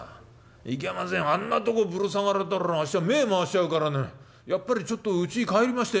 いけませんあんなとこぶる下がられたらあっしは目ぇ回しちゃうからねやっぱりちょっとうちに帰りまして」。